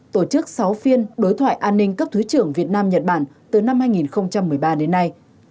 tổ chức sáu phiên đối thoại an ninh cấp thứ trưởng việt nam nhật bản từ năm hai nghìn một mươi ba đến nay